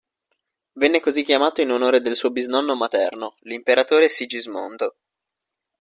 Venne così chiamato in onore del suo bisnonno materno, l'imperatore Sigismondo.